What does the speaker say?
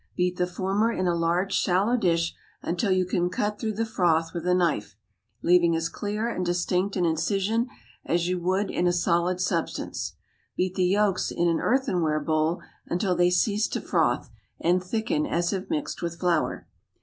Beat the former in a large shallow dish until you can cut through the froth with a knife, leaving as clear and distinct an incision as you would in a solid substance. Beat the yolks in an earthenware bowl until they cease to froth, and thicken as if mixed with flour.